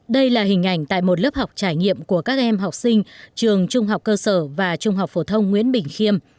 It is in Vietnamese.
đây là hình ảnh tại một lớp học trải nghiệm của các em học sinh trường trung học cơ sở và trung học phổ thông nguyễn bình khiêm